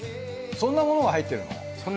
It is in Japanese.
そんなものが入ってますね。